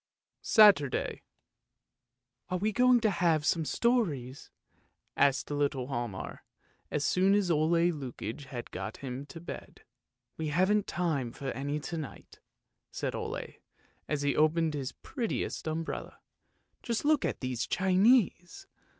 SATURDAY " Are we going to have some stories? " asked little Hialmar, as soon as Ole Lukoie had got him to bed. " We haven't time for any to night," said Ole, as he opened his prettiest umbrella. " Just look at these Chinese!